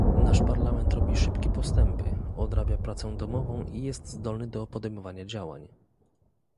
Nasz Parlament robi szybkie postępy, odrabia pracę domową i jest zdolny do podejmowania działań